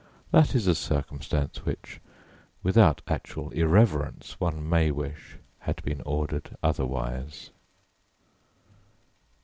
That is a circumstance which, without actual irreverence, one may wish had been ordered otherwise.